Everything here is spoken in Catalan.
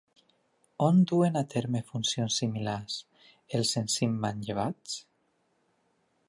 On duen a terme funcions similars els enzims manllevats?